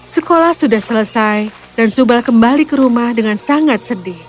sekolah sudah selesai dan subal kembali ke rumah dengan sangat sedih